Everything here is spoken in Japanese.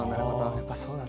やっぱそうだったんだ。